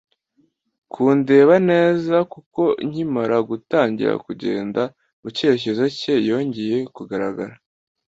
kundeba neza, kuko nkimara gutangira kugenda mu cyerekezo cye yongeye kugaragara